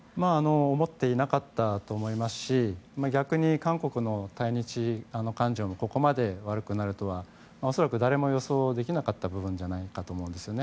思っていなかったと思いますし逆に韓国の対日感情もここまで悪くなるとは恐らく、誰も予想できなかった部分じゃないかと思いますね。